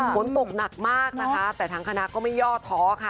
ฝนตกหนักมากนะคะแต่ทางคณะก็ไม่ย่อท้อค่ะ